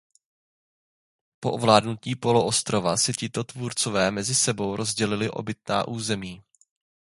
Po ovládnutí poloostrova si tito vůdcové mezi sebou rozdělili dobytá území.